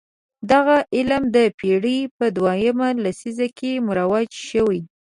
دغه علم د پېړۍ په دویمه لسیزه کې مروج شوی.